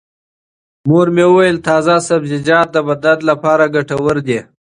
مور مې وویل چې تازه سبزیجات د بدن لپاره ګټور دي.